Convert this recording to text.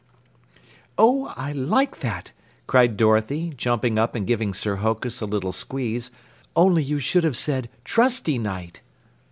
"Oh, I like that!" cried Dorothy, jumping up and giving Sir Hokus a little squeeze. "Only you should have said trusty Knight."